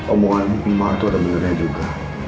omongan emak tuh ada benernya juga